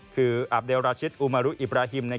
คืออับเดลราชิตอุมารุอิบราฮิม